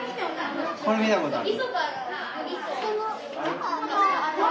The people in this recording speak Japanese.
これ見たことある？